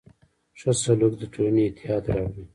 ښه سلوک د ټولنې اتحاد راوړي.